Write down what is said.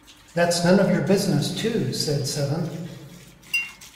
‘That’s none of your business, Two!’ said Seven.